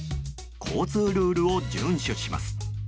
交通ルールを順守します。